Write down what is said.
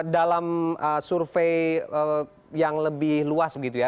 dalam survei yang lebih luas begitu ya